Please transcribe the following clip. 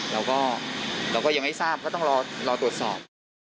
เราก็เราก็ยังไม่ทราบก็ต้องรอตรวจสอบ